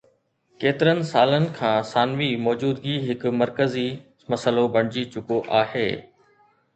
ڪيترن سالن کان ثانوي موجودگي هڪ مرڪزي مسئلو بڻجي چڪو آهي